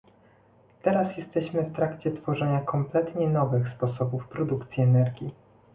Teraz jesteśmy w trakcie tworzenia kompletnie nowych sposobów produkcji energii